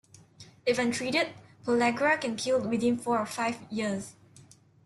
If untreated, pellagra can kill within four or five years.